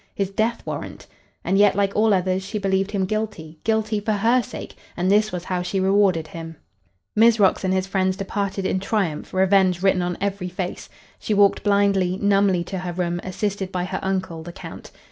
His death warrant! And yet, like all others, she believed him guilty. Guilty for her sake! And this was how she rewarded him. Mizrox and his friends departed in triumph, revenge written on every face. She walked blindly, numbly to her room, assisted by her uncle, the Count.